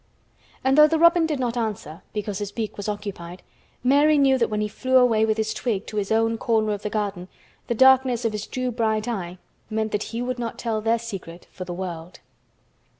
And though the robin did not answer, because his beak was occupied, Mary knew that when he flew away with his twig to his own corner of the garden the darkness of his dew bright eye meant that he would not tell their secret for the world.